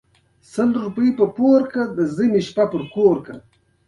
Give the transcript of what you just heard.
غرمه د انساني ژوند وقفه ده